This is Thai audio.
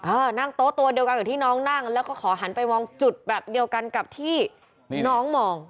เออนั่งโต๊ะตัวเดียวกันกับที่น้องนั่งแล้วก็ขอหันไปมองจุดแบบเดียวกันกับที่น้องมอง